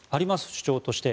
主張として。